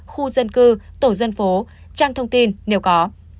khu dân cư tổ dân phố trang thông tin nếu có